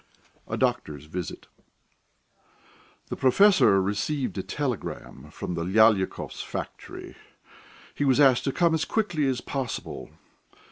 A DOCTOR'S VISIT THE Professor received a telegram from the Lyalikovs' factory; he was asked to come as quickly as possible.